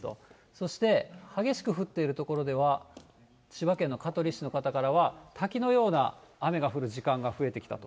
そして激しく降っている所では、千葉県の香取市の方からは、滝のような雨が降る時間が増えてきたと。